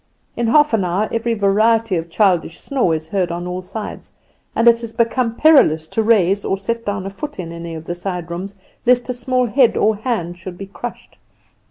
In half an hour every variety of childish snore is heard on all sides, and it has become perilous to raise or set down a foot in any of the side rooms lest a small head or hand should be crushed.